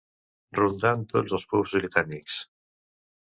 Rondant tots els pubs britànics.